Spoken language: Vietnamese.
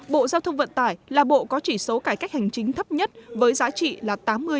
bộ giao thông vận tải là bộ có chỉ số cải cách hành chính thấp nhất với giá trị là tám mươi năm mươi ba